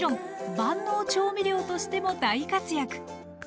万能調味料としても大活躍。